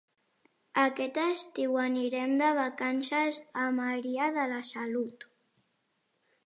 Aquest estiu anirem de vacances a Maria de la Salut.